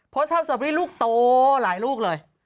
โพสต์ภาพสตรอบเบอร์รี่ลูกโตหลายลูกเลย